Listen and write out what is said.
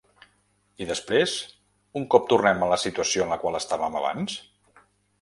I després, un cop tornem a la situació en la qual estàvem abans?